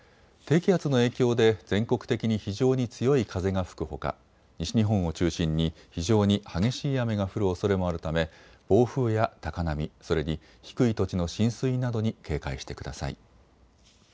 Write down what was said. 低気圧の影響で全国的に非常に強い風が吹くほか西日本を中心に非常に激しい雨が降るおそれもあるため暴風や高波、それに低い土地の浸水などに警戒してください。